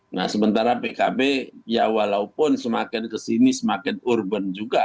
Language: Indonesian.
nah sementara pkb ya walaupun semakin kesini semakin urban juga